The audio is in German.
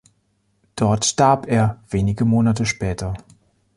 Dort starb er wenige Monate später.